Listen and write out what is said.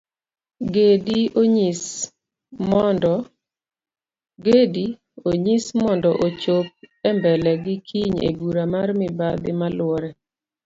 Gedi onyis mondo ochop embelegi kiny ebura mar mibadhi maluore